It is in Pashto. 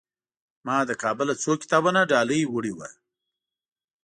ما له کابله څو کتابونه ډالۍ وړي وو.